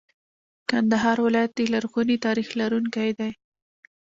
کندهار ولایت د لرغوني تاریخ لرونکی دی.